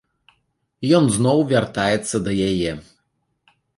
Ён зноў вяртаецца да яе.